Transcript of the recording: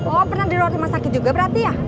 oh pernah di luar rumah sakit juga berarti ya